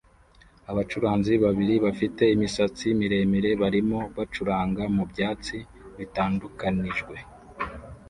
Abacuranzi babiri bafite imisatsi miremire barimo gucuranga mu byatsi bitandukanijwe